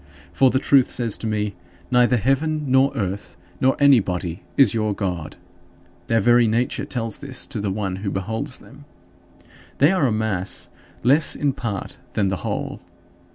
For the truth says to me, "Neither heaven nor earth nor anybody is your God." Their very nature tells this to the one who beholds them. "They are a mass, less in part than the whole."